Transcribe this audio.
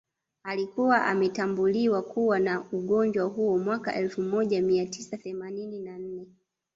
Alikuwa ametambuliwa kuwa na ugonjwa huo mwaka elfu moja mia tisa themanini na nne